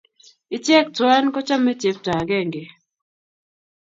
Ichek twan kochame chepto akenge